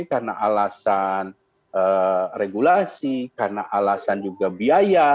karena alasan regulasi karena alasan juga biaya